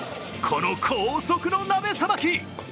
この高速の鍋さばき！